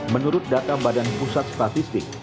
menurut data badan pusat statistik